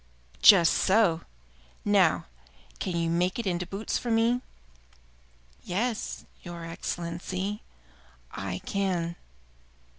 "Just so! Now, can you make it into boots for me?" "Yes, your Excellency, I can."